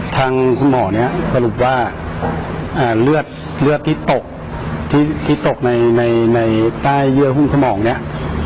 ทางคุณหมอเนี่ยสรุปว่าเลือดที่ตกที่ตกในใต้เยื่อหุ้มสมองเนี่ย